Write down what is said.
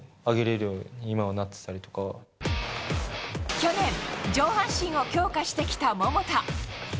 去年、上半身を強化してきた桃田。